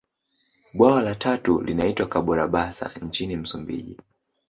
Bwawa la tatu linaitwa Kabora basa nchini Msumbiji